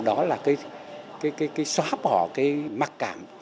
đó là cái xóa bỏ cái mặc cảm